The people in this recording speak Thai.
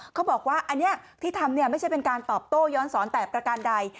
เขาบอกว่าอันนี้ที่ทำไม่ใช่เป็นการตอบโต้ย้อนสอนแต่ประการใด